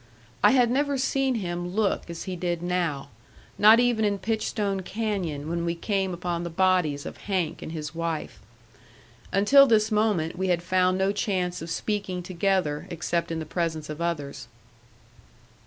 I had never seen him look as he did now, not even in Pitchstone Canyon when we came upon the bodies of Hank and his wife. Until this moment we had found no chance of speaking together, except in the presence of others.